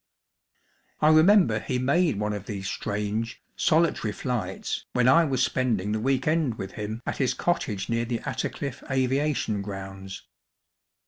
I remember he made one of these strange, solitary flights when I was spending the week end with him at his cottage near the Attercliffe Aviation Grounds.